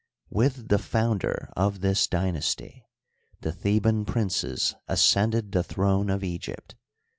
— With the founder of this dynasty, the Theban princes ascended the throne of Egypt.